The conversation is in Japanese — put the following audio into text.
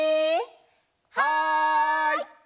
はい！